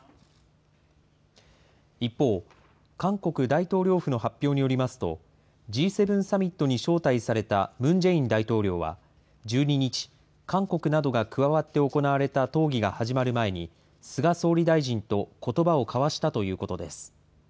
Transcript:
一方、韓国大統領府の発表によりますと、Ｇ７サミットに招待されたムン・ジェイン大統領は、１２日、韓国などが加わって行われた討議が始まる前に、菅総理大臣とことばを交わしたということです。